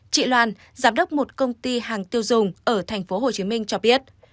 chị loan giám đốc một công ty hàng tiêu dùng ở tp hcm cho biết